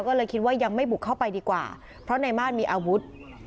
ก็เลยคิดว่ายังไม่บุกเข้าไปดีกว่าเพราะในม่านมีอาวุธ